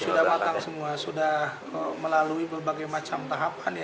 sudah matang semua sudah melalui berbagai macam tahapan ya